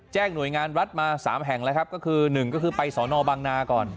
หน่วยงานรัฐมา๓แห่งแล้วครับก็คือ๑ก็คือไปสอนอบางนาก่อน